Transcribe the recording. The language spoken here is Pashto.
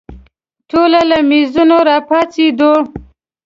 ټوله له مېزونو راپاڅېدو.